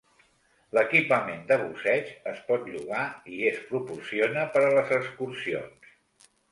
L'equipament de busseig es pot llogar i es proporciona per a les excursions.